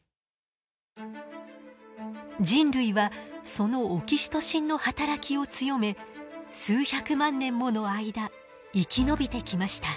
人類はそのオキシトシンの働きを強め数百万年もの間生き延びてきました。